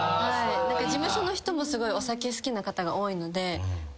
事務所の人もお酒好きな方が多いのでバーで。